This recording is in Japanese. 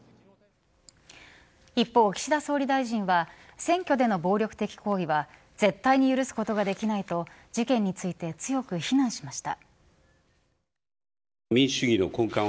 一方、岸田総理大臣は選挙での暴力的行為は絶対に許すことができないと事件について強く非難しました。